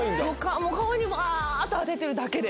顔にバーッと当ててるだけで。